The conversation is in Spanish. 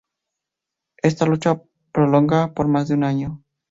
Esta lucha se prolonga por más de un año.